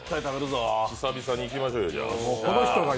久々にいきましょうよ。